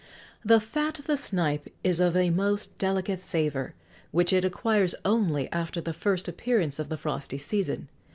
"The fat of the snipe is of a most delicate savour, which it acquires only after the first appearance of the frosty season.